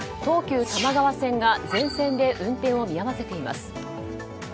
東急多摩川線が全線で運転を見合わせています。